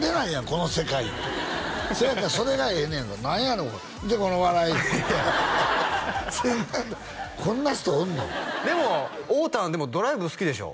この世界にそやからそれがええねやんか何やねんこれ見てこの笑いあっいやこんな人おんの？でもおーたんドライブ好きでしょ？